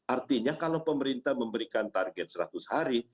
artinya kalau pemerintah memberikan target seratus hari